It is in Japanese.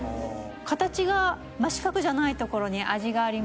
形が真四角じゃないところに味があります。